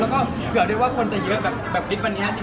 แล้วก็เผื่อเรียกว่าคนจะเยอะแบบนิดวันนี้